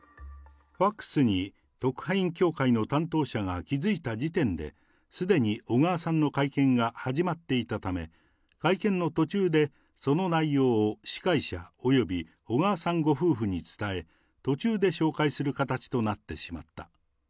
ファックスに特派員協会の担当者が気付いた時点で、すでに小川さんの会見が始まっていたため、会見の途中でその内容を司会者および小川さんご夫婦に伝え、途中で紹介する形となってしまった。